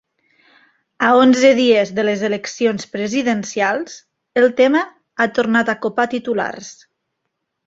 A onze dies de les eleccions presidencials, el tema ha tornat a copar titulars.